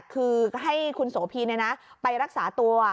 คือให้คุณโสพีไปรักษาตัว